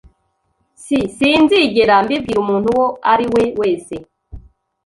S Sinzigera mbibwira umuntu uwo ari we wese.